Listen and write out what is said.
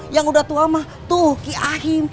yang udah tua mah tuh ki ahim